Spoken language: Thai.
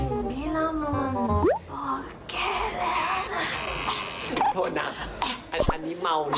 ขอโทษนะใช้มัวทำอะไร